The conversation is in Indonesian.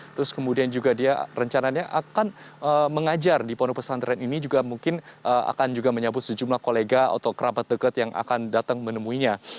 terus kemudian juga dia rencananya akan mengajar di pondok pesantren ini juga mungkin akan juga menyebut sejumlah kolega atau kerabat dekat yang akan datang menemuinya